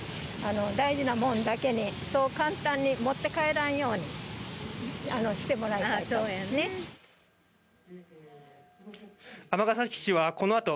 大事なもんだけに、そう簡単に持って帰らんようにしてもらいたいと。